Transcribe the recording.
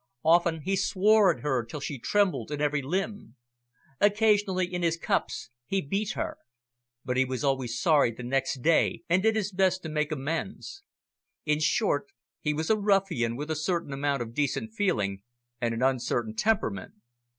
Often he swore at her till she trembled in every limb. Occasionally, in his cups, he beat her. But he was always sorry the next day, and did his best to make amends. In short, he was a ruffian with a certain amount of decent feeling, and an uncertain temperament.